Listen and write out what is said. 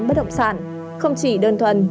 bất động sản không chỉ đơn thuần